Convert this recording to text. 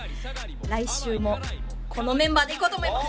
来週もこのメンバーでいこうと思います